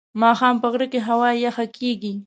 ماښام په غره کې هوا یخه کېږي.